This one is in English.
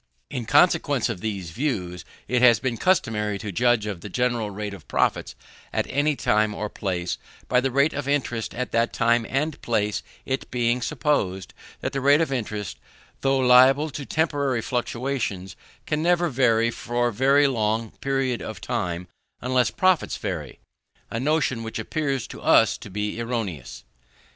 In consequence of these views, it has been customary to judge of the general rate of profits at any time or place, by the rate of interest at that time and place: it being supposed that the rate of interest, though liable to temporary fluctuations, can never vary for any long period of time unless profits vary; a notion which appears to us to be erroneous.